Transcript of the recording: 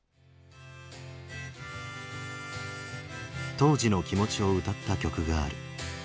当時の気持ちを歌った曲がある。